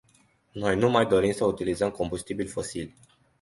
Noi nu mai dorim să utilizăm combustibili fosili.